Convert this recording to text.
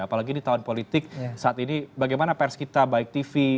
apalagi di tahun politik saat ini bagaimana pers kita baik tv